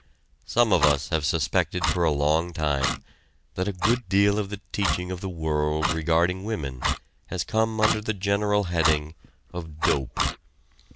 Some of us have suspected for a long time that a good deal of the teaching of the world regarding women has come under the general heading of "dope."